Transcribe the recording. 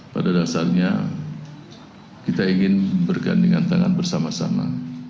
pada dasarnya kita ingin bergandingan tangan bersama sama